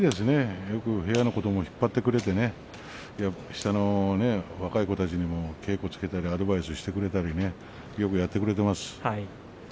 部屋のことをよく引っ張ってくれて部屋の若い子たちに稽古たりアドバイスしたりよくやってくれています。